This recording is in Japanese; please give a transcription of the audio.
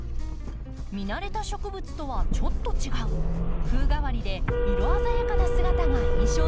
見慣れた植物とはちょっと違う風変わりで色鮮やかな姿が印象的。